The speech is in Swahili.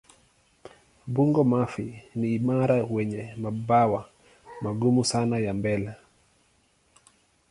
Bungo-mavi ni imara wenye mabawa magumu sana ya mbele.